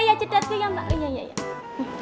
ya cedatnya ya mbak